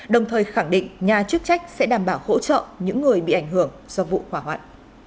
đồng thời khẳng định nhà chức trách sẽ đảm bảo hỗ trợ những người bị ảnh hưởng do vụ hỏa hoạn